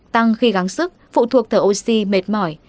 tăng khi gắng sức phụ thuộc thở oxy mệt mỏi